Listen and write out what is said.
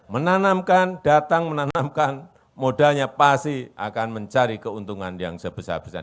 menanamkan datang menanamkan modalnya pasti akan mencari keuntungan yang sebesar besar